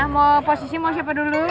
mau posisi mau siapa dulu